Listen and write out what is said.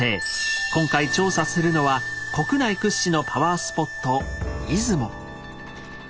今回調査するのは国内屈指のパワースポット